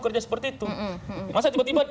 kerja seperti itu masa tiba tiba